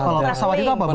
oh kalau pesawat itu apa